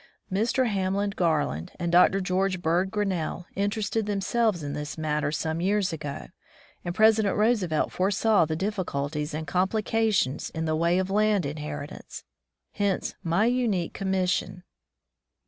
Mr. Hamlin Garland and Dr. George Bird Grinnell interested themselves in this matter some years ago, and President Roosevelt foresaw the difficulties and complications in the way of land inheritance, hence my unique com mission.